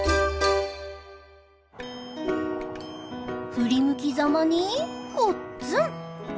振り向きざまにごっつん。